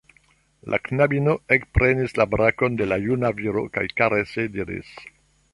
La knabino ekprenis la brakon de la juna viro kaj karese diris: